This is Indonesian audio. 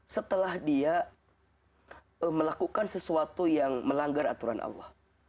setelah dia melakukan sesuatu yang melanggar aturan allah